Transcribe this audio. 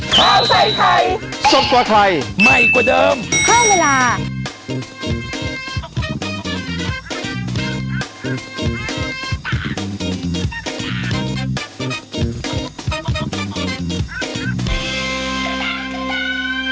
กลับมาของท่านมุ้ยก็จะกลับมาเล่นบ้าง